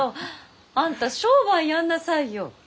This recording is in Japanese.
あんた商売やんなさいよ。